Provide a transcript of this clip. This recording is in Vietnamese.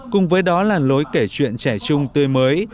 cùng với đó là lối kể chuyện trẻ chung tươi mới